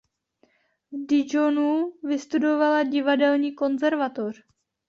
V Dijonu vystudovala divadelní konzervatoř.